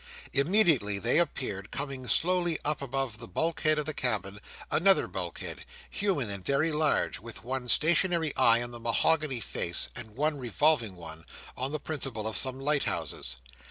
Immediately there appeared, coming slowly up above the bulk head of the cabin, another bulk head—human, and very large—with one stationary eye in the mahogany face, and one revolving one, on the principle of some lighthouses.